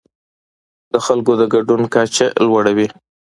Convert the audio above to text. د خلکو د ګډون کچه لوړه وي.